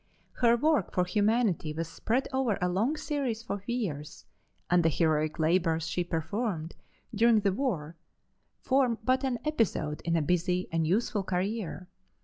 Her work for humanity was spread over a long series of years, and the heroic labors she performed during the war form but an episode in a busy and useful career.